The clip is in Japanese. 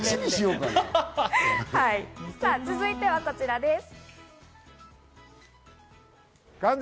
続いてはこちらです。